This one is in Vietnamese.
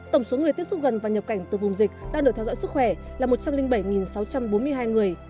tổng số người tiếp xúc gần và nhập cảnh từ vùng dịch đang được theo dõi sức khỏe